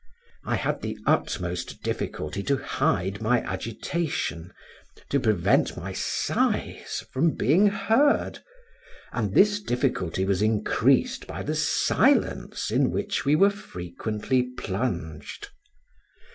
I had the utmost difficulty to hide my agitation, to prevent my sighs from being heard, and this difficulty was increased by the silence in which we were frequently plunged.